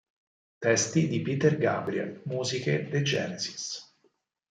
Testi di Peter Gabriel, musiche dei Genesis.